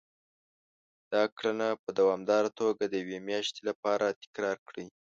دا کړنه په دوامداره توګه د يوې مياشتې لپاره تکرار کړئ.